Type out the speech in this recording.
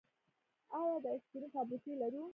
آیا د آیس کریم فابریکې لرو؟